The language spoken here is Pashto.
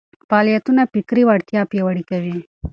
فعالیتونه فکري وړتیا پياوړې کوي.